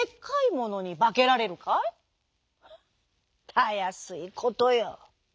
「たやすいことよ」。